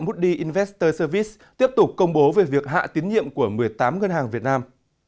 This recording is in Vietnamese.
moody invester service tiếp tục công bố về việc hạ tín nhiệm của một mươi tám ngân hàng việt nam